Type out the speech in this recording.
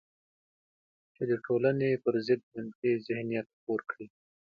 چې د ټولنې پر ضد منفي ذهنیت خپور کړي